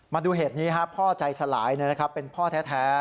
มาดูเหตุนี้พ่อใจสลายเป็นพ่อแท้